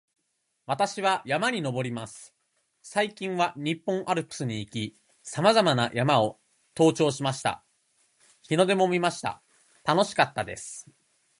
私は山に登ります。最近は日本アルプスに行き、さまざまな山を登頂しました。日の出も見ました。楽しかったです